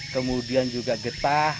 kemudian juga getah